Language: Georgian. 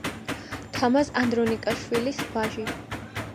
თამაზ ანდრონიკაშვილის ვაჟი.